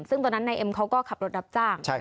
ซึ่งตอนนั้นนายเอ็มเขาก็ขับรถรับจ้าง